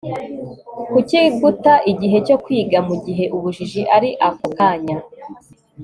kuki guta igihe cyo kwiga, mugihe ubujiji ari ako kanya